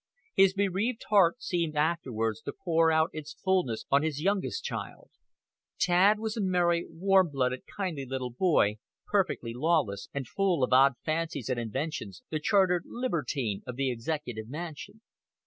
His bereaved heart seemed afterwards to pour out its fulness on his youngest child. 'Tad' was a merry, warm blooded, kindly little boy, perfectly lawless, and full of odd fancies and inventions, the 'chartered libertine' of the Executive Mansion."